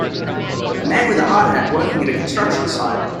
A man with a hard hat working at a construction site.